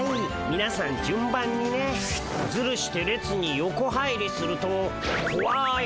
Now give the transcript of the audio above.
みなさん順番にね。ズルして列に横入りするとこわい